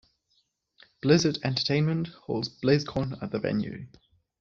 Blizzard Entertainment holds BlizzCon at the venue.